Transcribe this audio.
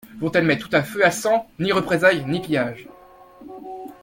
Vont-elles mettre tout à feu et à sang ? Ni représailles, ni pillage.